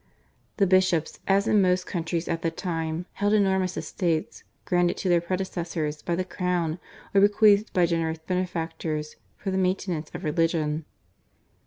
The bishops, as in most countries at the time, held enormous estates, granted to their predecessors by the crown or bequeathed by generous benefactors for the maintenance of religion.